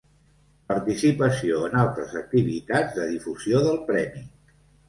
Participació en altres activitats de difusió del Premi.